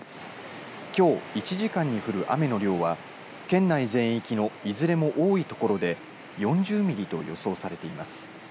きょう１時間に降る雨の量は県内全域のいずれも多いところで４０ミリと予想されています。